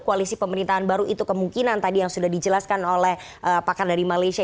koalisi pemerintahan baru itu kemungkinan tadi yang sudah dijelaskan oleh pakar dari malaysia